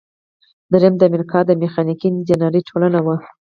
دریمه د امریکا د میخانیکي انجینری ټولنه وه.